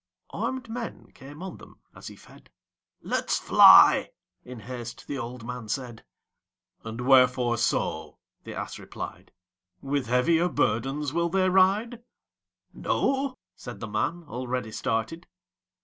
Arm'd men came on them as he fed: "Let's fly," in haste the old man said. "And wherefore so?" the ass replied; "With heavier burdens will they ride?" "No," said the man, already started.